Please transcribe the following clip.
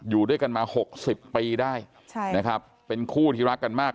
อยู่ด้วยกันมาหกสิบปีได้ใช่นะครับเป็นคู่ที่รักกันมาก